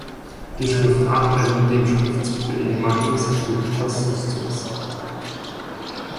Die Schriftart ähnelt dem Schriftzug der ehemaligen Securitas Systems.